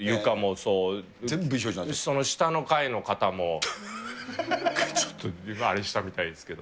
その下の階の方も、ちょっとあれしたみたいですけど。